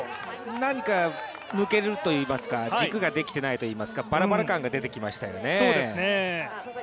何か抜けるといいますか、軸ができていないといいますかバラバラ感が出てきましたよね。